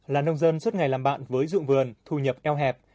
là nông dân suốt ngày làm bạn với dụng vườn thu nhập eo hẹp